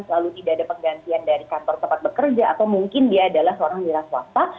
selalu tidak ada penggantian dari kantor tepat bekerja atau mungkin dia adalah seorang diras wakta